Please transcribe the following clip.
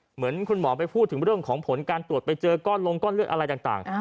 เหมือนคุณหมอไปพูดถึงเรื่องของผลการตรวจไปเจอก้อนลงก้อนเลือดอะไรต่าง